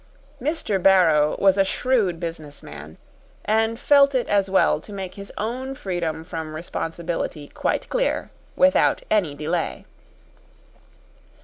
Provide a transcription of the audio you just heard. Mr. Barrow was a shrewd businessman, and felt it as well to make his own freedom from responsibility quite clear without any delay.